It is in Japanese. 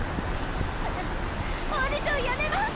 わたしオーディションやめます！